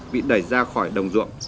bị đẩy ra khỏi đồng ruộng